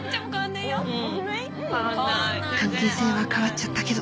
関係性は変わっちゃったけど